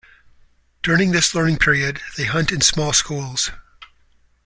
During this learning period, they hunt in small schools.